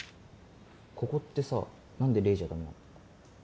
ここってさ何で「ｌａｙ」じゃダメなの？